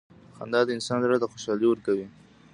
• خندا د انسان زړۀ ته خوشحالي ورکوي.